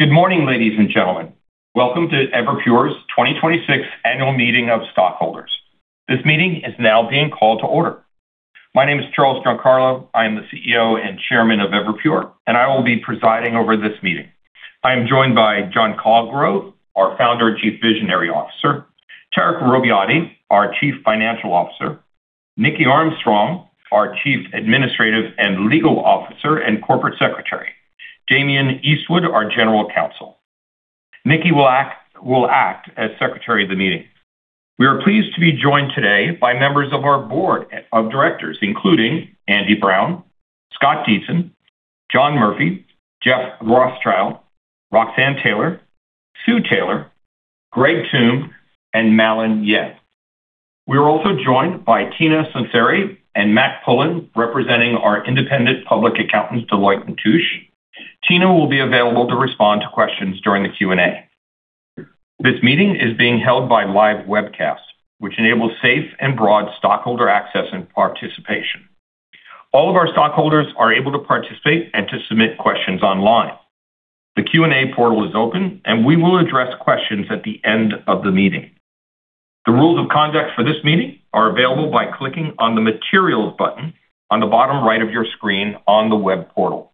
Good morning, ladies and gentlemen. Welcome to Everpure's 2026 Annual Meeting of Stockholders. This meeting is now being called to order. My name is Charles Giancarlo. I am the CEO and Chairman of Everpure, and I will be presiding over this meeting. I am joined by John Colgrove, our Founder and Chief Visionary Officer, Tarek Robbiati, our Chief Financial Officer, Niki Armstrong, our Chief Administrative and Legal Officer and Corporate Secretary, Damian Eastwood, our General Counsel. Niki will act as Secretary of the meeting. We are pleased to be joined today by members of our board of directors, including Andy Brown, Scott Dietzen, John Murphy, Jeff Rothschild, Roxanne Taylor, Sue Taylor, Greg Tomb, and Mallun Yen. We are also joined by Tina Sunseri and Matt Pullen, representing our independent public accountants, Deloitte & Touche. Tina will be available to respond to questions during the Q&A. This meeting is being held by live webcast, which enables safe and broad stockholder access and participation. All of our stockholders are able to participate and to submit questions online. The Q&A portal is open, and we will address questions at the end of the meeting. The rules of conduct for this meeting are available by clicking on the Materials button on the bottom right of your screen on the web portal.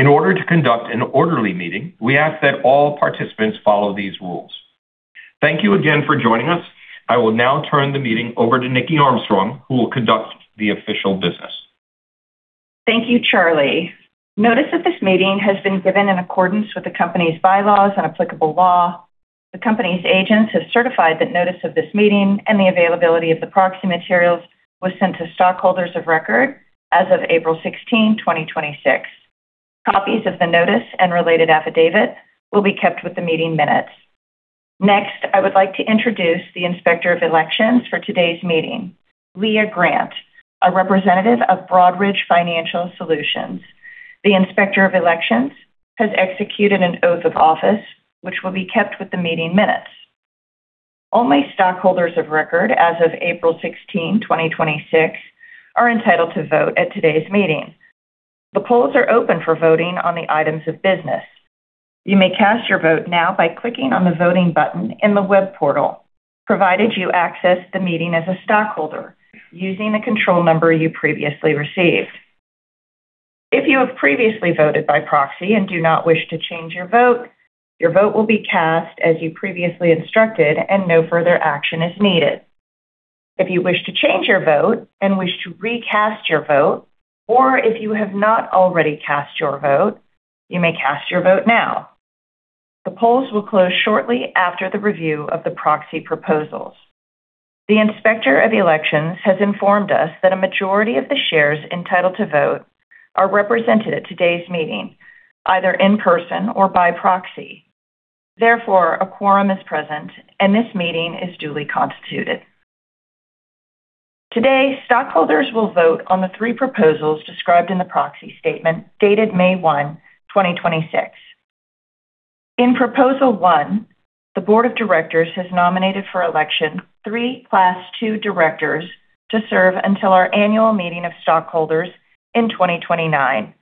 In order to conduct an orderly meeting, we ask that all participants follow these rules. Thank you again for joining us. I will now turn the meeting over to Niki Armstrong, who will conduct the official business. Thank you, Charlie. Notice that this meeting has been given in accordance with the company's bylaws and applicable law. The company's agents have certified that notice of this meeting and the availability of the proxy materials was sent to stockholders of record as of April 16, 2026. Copies of the notice and related affidavit will be kept with the meeting minutes. Next, I would like to introduce the Inspector of Election for today's meeting, Leah Grant, a representative of Broadridge Financial Solutions. The Inspector of Election has executed an oath of office, which will be kept with the meeting minutes. Only stockholders of record as of April 16, 2026 are entitled to vote at today's meeting. The polls are open for voting on the items of business. You may cast your vote now by clicking on the Voting button in the web portal, provided you access the meeting as a stockholder using the control number you previously received. If you have previously voted by proxy and do not wish to change your vote, your vote will be cast as you previously instructed and no further action is needed. If you wish to change your vote and wish to recast your vote, or if you have not already cast your vote, you may cast your vote now. The polls will close shortly after the review of the proxy proposals. The Inspector of Election has informed us that a majority of the shares entitled to vote are represented at today's meeting, either in person or by proxy. Therefore, a quorum is present, and this meeting is duly constituted. Today, stockholders will vote on the three proposals described in the proxy statement dated May 1, 2026. In Proposal One, the board of directors has nominated for election three Class II directors to serve until our annual meeting of stockholders in 2029.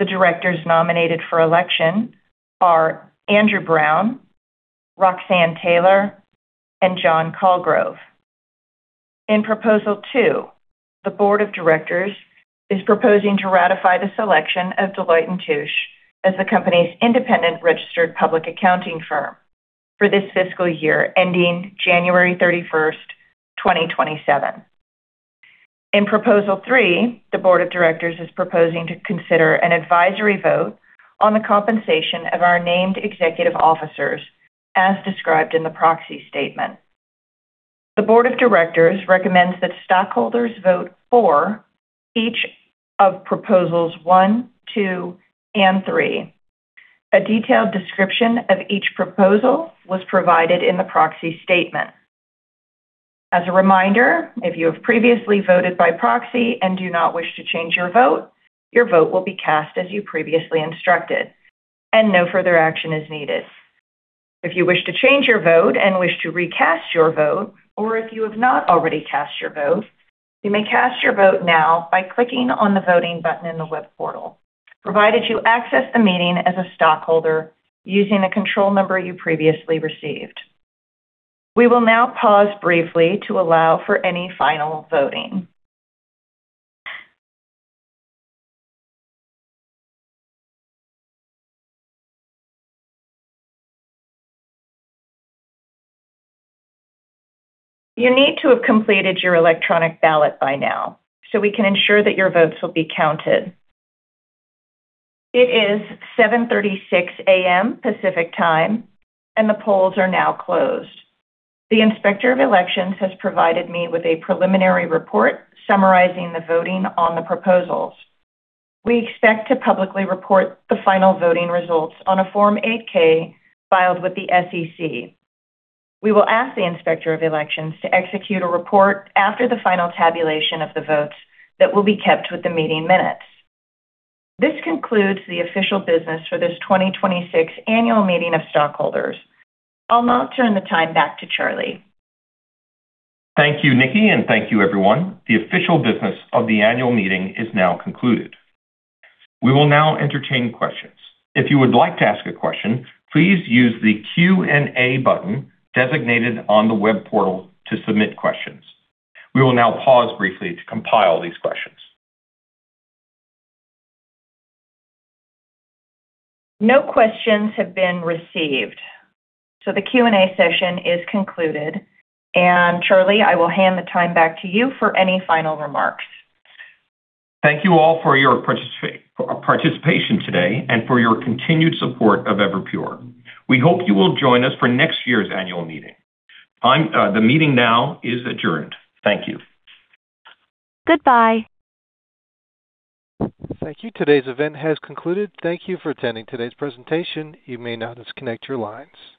The directors nominated for election are Andy Brown, Roxanne Taylor, and John Colgrove. In Proposal Two, the board of directors is proposing to ratify the selection of Deloitte & Touche as the company's independent registered public accounting firm for this fiscal year ending January 31, 2027. In Proposal Three, the board of directors is proposing to consider an advisory vote on the compensation of our named executive officers as described in the proxy statement. The board of directors recommends that stockholders vote for each of Proposals One, Two, and Three. A detailed description of each proposal was provided in the proxy statement. As a reminder, if you have previously voted by proxy and do not wish to change your vote, your vote will be cast as you previously instructed, and no further action is needed. If you wish to change your vote and wish to recast your vote, or if you have not already cast your vote, you may cast your vote now by clicking on the Voting button in the web portal, provided you access the meeting as a stockholder using the control number you previously received. We will now pause briefly to allow for any final voting. You need to have completed your electronic ballot by now so we can ensure that your votes will be counted. It is 7:36 A.M. Pacific Time, and the polls are now closed. The Inspector of Election has provided me with a preliminary report summarizing the voting on the proposals. We expect to publicly report the final voting results on a Form 8-K filed with the SEC. We will ask the Inspector of Election to execute a report after the final tabulation of the votes that will be kept with the meeting minutes. This concludes the official business for this 2026 annual meeting of stockholders. I'll now turn the time back to Charlie. Thank you, Niki, and thank you, everyone. The official business of the annual meeting is now concluded. We will now entertain questions. If you would like to ask a question, please use the Q&A button designated on the web portal to submit questions. We will now pause briefly to compile these questions. No questions have been received. The Q&A session is concluded. Charlie, I will hand the time back to you for any final remarks. Thank you all for your participation today and for your continued support of Everpure. We hope you will join us for next year's annual meeting. The meeting now is adjourned. Thank you. Goodbye. Thank you. Today's event has concluded. Thank you for attending today's presentation. You may now disconnect your lines.